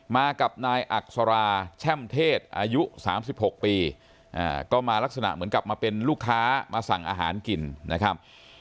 มากับนายอักษราแช่มเทศอายุ๓๖ปีก็มาลักษณะเหมือนกับมาเป็นลูกค้ามาสั่งอาหารกินนะครับ